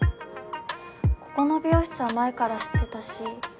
ここの美容室は前から知ってたし